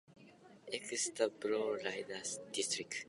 Exeter Borough resides within the Wyoming Area School District.